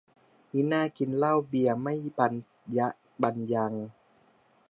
มิน่ากินเหล้าเบียร์ไม่บันยะบันยัง